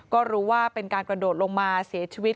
ก็รู้ว่าเป็นการกระโดดลงมาเสียชีวิต